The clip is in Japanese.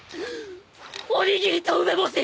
おにぎりと梅干し！